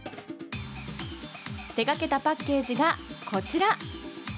手掛けたパッケージがこちら！